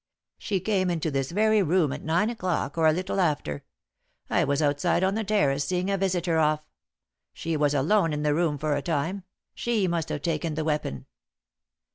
"She came into this very room at nine o'clock, or a little after. I was outside on the terrace seeing a visitor off. She was alone in the room for a time. She must have taken the weapon."